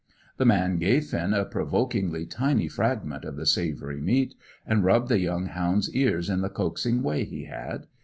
The man gave Finn a provokingly tiny fragment of the savoury meat, and rubbed the young hound's ears in the coaxing way he had.